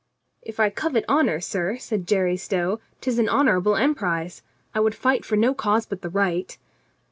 "If I covet honor, sir," cried Jerry Stow, " 'tis in an honorable emprise. I would fight for no cause but the right."